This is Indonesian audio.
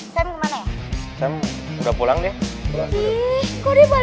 selain dengan kamu udah dimulai memang cathcis upon